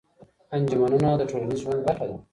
انجمنونه د ټولنيز ژوند برخه ده.